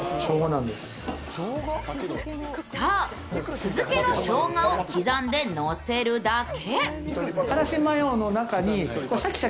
酢漬けのしょうがを刻んで乗せるだけ。